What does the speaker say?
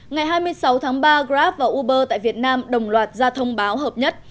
ngày hai mươi sáu tháng ba grab và uber tại việt nam đồng loạt ra thông báo hợp nhất